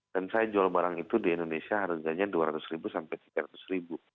dan saya jual barang itu di indonesia harganya rp dua ratus sampai rp tiga ratus